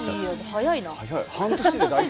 早いな！